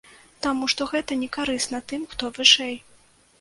Таму што гэта не карысна тым, хто вышэй.